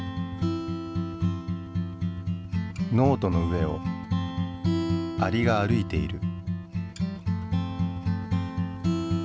ノートの上をアリが歩いている。